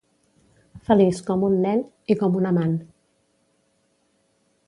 Feliç com un nen, i com un amant.